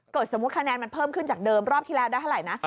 สมมุติคะแนนมันเพิ่มขึ้นจากเดิมรอบที่แล้วได้เท่าไหร่นะ